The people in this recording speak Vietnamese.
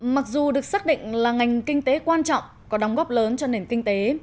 mặc dù được xác định là ngành kinh tế quan trọng có đóng góp lớn cho nền kinh tế